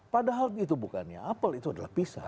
padahal itu bukannya apple itu adalah pisang